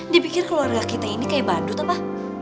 dipikir keluarga kita ini kayak bandut apa